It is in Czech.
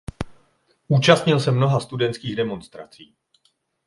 Účastnil se mnoha studentských demonstrací.